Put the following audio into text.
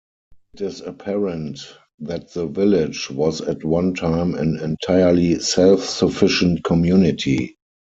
It is apparent that the village was at one time an entirely self-sufficient community.